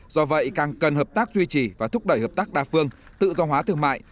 do vậy càng cần hợp tác duy trì và thúc đẩy hợp tác đa phương tự do hóa thương mại